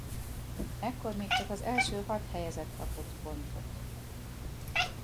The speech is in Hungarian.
Ekkor még csak az első hat helyezett kapott pontot.